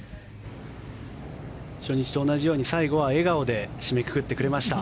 初日と同じように最後は笑顔で締めくくってくれました。